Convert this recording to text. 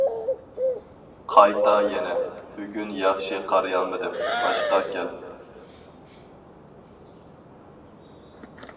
قايتا، يەنە : بۈگۈن ياخشى قارىيالمىدىم، باشقا كەل.